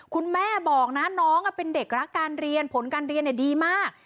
คุณแม่บอกนะน้องเป็นเด็กรักการเรียนผลการเรียนดีมาก